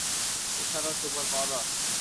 এই শালার সুপার পাওয়ারও আছে!